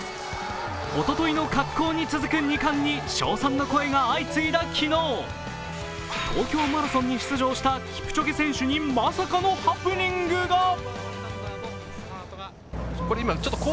おとといの滑降に続く２冠に称賛の声が相次いだ昨日、東京マラソンに出場したキプチョゲ選手にまさかのハプニングが。